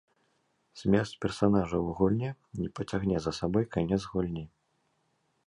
Смерць персанажа ў гульне не пацягне за сабой канец гульні.